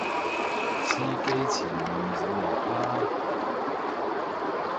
司機前面有落啊！